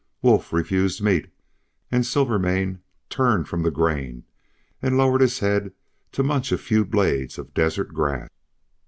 Wolf refused meat, and Silvermane turned from the grain, and lowered his head to munch a few blades of desert grass.